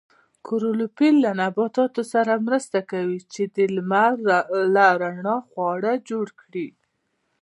کلوروفیل له نبات سره مرسته کوي چې د لمر له رڼا خواړه جوړ کړي